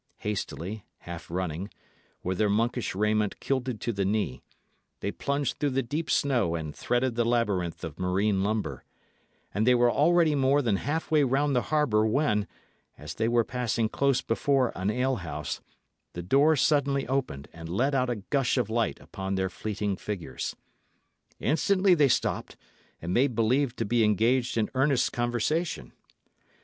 Hastily, half running, with their monkish raiment kilted to the knee, they plunged through the deep snow and threaded the labyrinth of marine lumber; and they were already more than half way round the harbour when, as they were passing close before an alehouse, the door suddenly opened and let out a gush of light upon their fleeting figures. Instantly they stopped, and made believe to be engaged in earnest conversation.